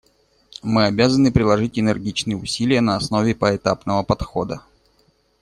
Мы обязаны приложить энергичные усилия на основе поэтапного подхода.